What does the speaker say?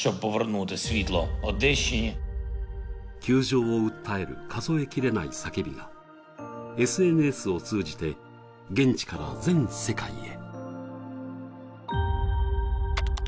窮状を訴える数え切れない叫びがＳＮＳを通じて、現地から全世界へ。